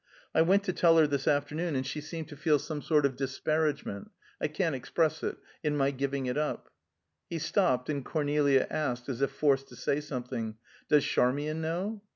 I went to tell her this afternoon, and she seemed to feel some sort of disparagement I can't express it in my giving it up." He stopped, and Cornelia asked, as if forced to say something, "Does Charmian know?"